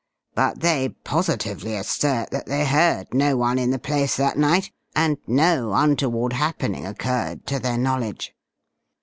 But they positively assert that they heard no one in the place that night, and no untoward happening occurred to their knowledge."